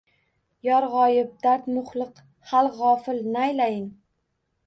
Yor g‘oyib, dard muhlik, xalq g‘ofil, naylayin.